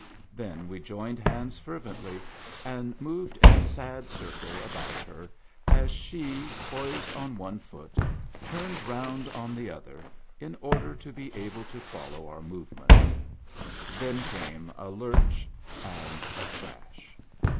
Then we joined hands fervently, and moved in a sad circle about her, as she, poised on one foot, turned round on the other, in order to be able to follow our move ments. Then came a lurch and a crash.